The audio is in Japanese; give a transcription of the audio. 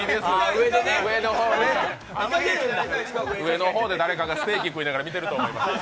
上の方で誰かがステーキ食いながら見てると思います。